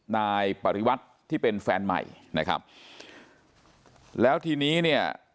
นายปริวัติที่เป็นแฟนใหม่นะครับแล้วทีนี้เนี่ย